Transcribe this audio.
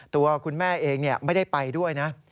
ตัวคุณแม่เองไม่ได้ไปด้วยนะ